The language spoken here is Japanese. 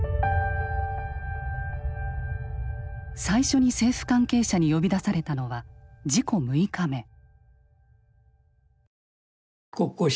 最初に政府関係者に呼び出されたのは事故６日目。